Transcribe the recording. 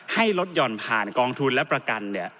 ให้ลดหย่อนผ่านกองทุนและประกัน